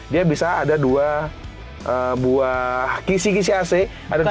dia bisa ada dua buah kisi kisi ac